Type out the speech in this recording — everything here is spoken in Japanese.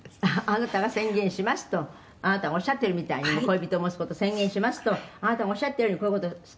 「あなたが“宣言します”とあなたがおっしゃってるみたいに“恋人を持つ事を宣言します”とあなたがおっしゃってるようにこういう事を」